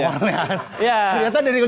awalnya ternyata dari golkar